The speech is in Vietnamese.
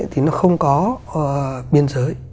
thì nó không có biên giới